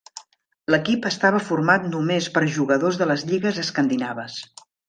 L'equip estava format només per jugadors de les lligues escandinaves.